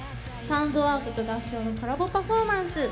サンドアートと合唱のコラボパフォーマンス。